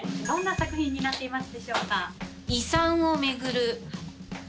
どんな作品になっていますでしょうか？